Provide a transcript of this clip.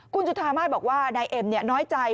คุณจุธามาศบอกว่านายเอ็มน้อยใจ